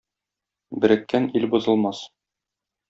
Береккән ил бозылмас.